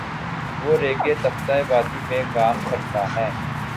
وہ ریگِ تفتۂ وادی پہ گام فرسا ہے